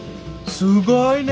すごいね！